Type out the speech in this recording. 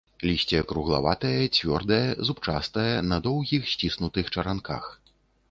Лісце круглаватае, цвёрдае, зубчастае, на доўгіх, сціснутых чаранках.